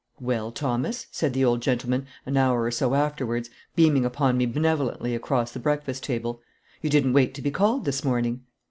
"Well, Thomas," said the old gentleman, an hour or so afterwards, beaming upon me benevolently across the breakfast table, "you didn't wait to be called this morning."